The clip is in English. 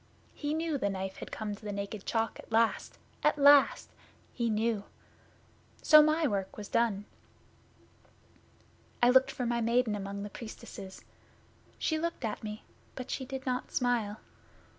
He knew the Knife had come to the Naked Chalk at last at last! He knew! So my work was done. I looked for my Maiden among the Priestesses. She looked at me, but she did not smile.